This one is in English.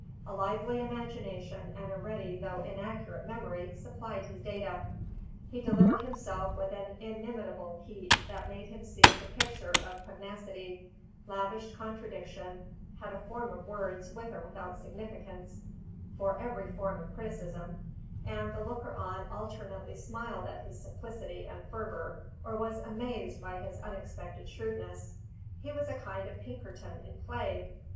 A lively imagination and a ready though inaccurate memory supplied his data; he delivered himself with an inimitable heat that made him seem the picture of pugnacity; lavished contradiction; had a form of words, with or without significance, for every form of criticism; and the looker on alternately smiled at his simplicity and fervour, or was amazed by his unexpected shrewdness. He was a kind of Pinkerton in play.